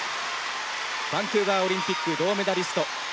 バンクーバーオリンピック銅メダリスト。